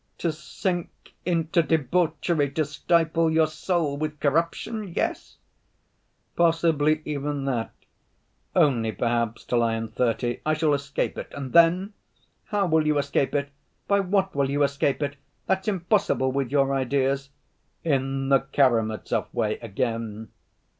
"To sink into debauchery, to stifle your soul with corruption, yes?" "Possibly even that ... only perhaps till I am thirty I shall escape it, and then—" "How will you escape it? By what will you escape it? That's impossible with your ideas." "In the Karamazov way, again."